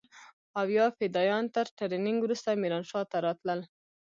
او يا فدايان تر ټرېننگ وروسته ميرانشاه ته راتلل.